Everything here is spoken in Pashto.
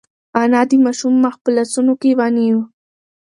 انا د ماشوم مخ په لاسونو کې ونیو.